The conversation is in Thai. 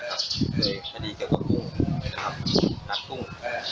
เกี่ยวกับลักษณ์กุ้ง